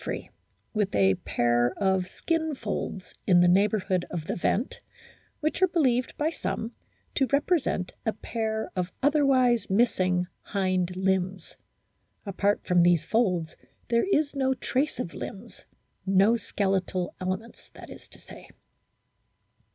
THE EXTERNAL FORM OF WHALES g lamprey with a pair of skin folds in the neighbour hood of the vent, which are believed by some to represent a pair of otherwise missing hind limbs. Apart from these folds there is no trace of limbs, no skeletal elements that is to say.